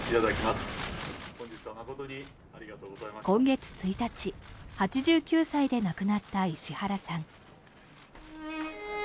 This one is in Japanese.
今月１日８９歳で亡くなった石原さん。